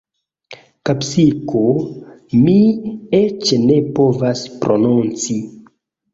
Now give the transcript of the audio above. Kapsiko... mi eĉ ne povas prononci.